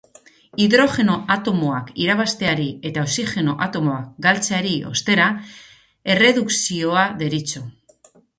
Hidrogeno atomoak irabazteari eta oxigeno atomoak galtzeari, ostera, erredukzioa deritzo.